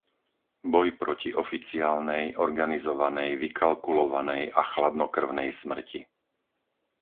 Boj proti oficiálnej, organizovanej, vykalkulovanej a chladnokrvnej smrti.